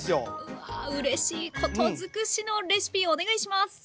うわうれしいこと尽くしのレシピお願いします！